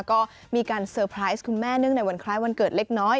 ก็มีการเซอร์ไพรส์คุณแม่เนื่องในวันคล้ายวันเกิดเล็กน้อย